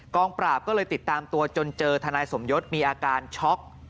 ปราบก็เลยติดตามตัวจนเจอทนายสมยศมีอาการช็อก